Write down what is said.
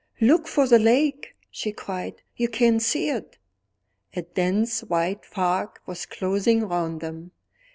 "Look for the lake!" she cried. "You can't see it." A dense white fog was closing round them.